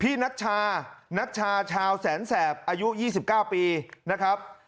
นัชชานัชชาชาวแสนแสบอายุ๒๙ปีนะครับ